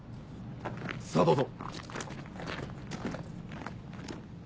さあどうぞ。